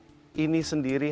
karena rumah ini sendiri